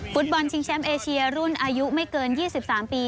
ฟุตบอลชิงแชมป์เอเชียรุ่นอายุไม่เกิน๒๓ปี